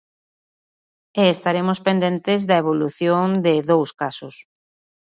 E estaremos pendentes da evolución de dous casos.